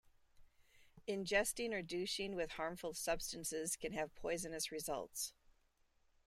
Ingesting or douching with harmful substances can have poisonous results.